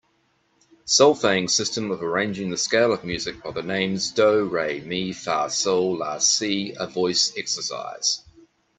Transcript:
Solfaing system of arranging the scale of music by the names do, re, mi, fa, sol, la, si a voice exercise